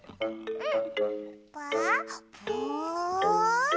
うん？